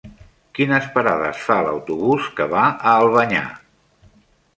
Quines parades fa l'autobús que va a Albanyà?